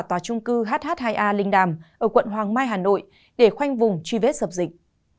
tòa trung cư hh hai a linh đàm ở quận hoàng mai hà nội để khoanh vùng truy vết dập dịch